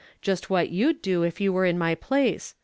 Just what you'd do if you were in my place.